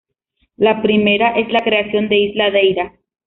La primera es la creación de Isla Deira.